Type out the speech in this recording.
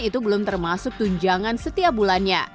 itu belum termasuk tunjangan setiap bulannya